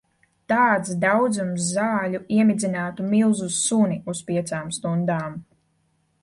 Tāds daudzums zaļu iemidzinātu milzu suni uz piecām stundām.